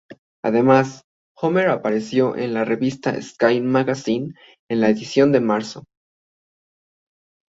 Además, Homer apareció en la revista "Sky Magazine" en la edición de marzo.